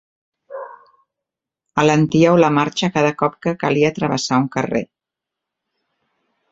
Alentíeu la marxa cada cop que calia travessar un carrer.